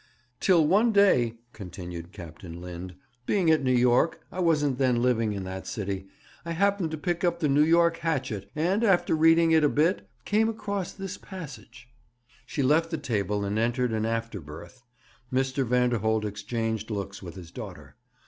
'Till one day,' continued Captain Lind, 'being at New York I wasn't then living in that city I happened to pick up the New York Hatchet, and, after reading it a bit, came across this passage ' She left the table and entered an after berth. Mr. Vanderholt exchanged looks with his daughter.